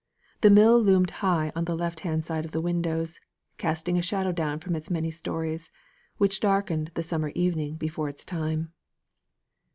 The mill loomed high on the left hand side of the windows, casting a shadow down from its many stories, which darkened the summer evening before its time.